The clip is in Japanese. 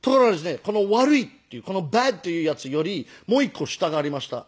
この「悪い」っていうこの「バッド」というやつよりもう一個下がありました。